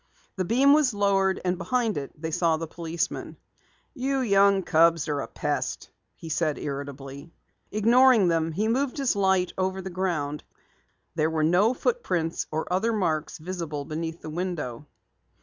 The beam was lowered, and behind it they saw the policeman. "You young cubs are a pest," he said irritably. Ignoring them, he moved his light over the ground. There were no footprints or other marks visible beneath the window.